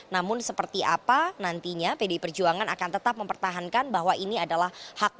namun seperti apa nantinya pdi perjuangan akan tetap mempertahankan bahwa ini adalah hak